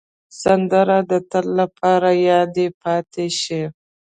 سندره د تل لپاره یاده پاتې شي